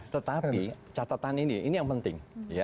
tetapi catatan ini ini yang penting